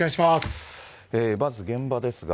まず現場ですが。